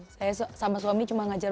saya sama suami cuma ngajar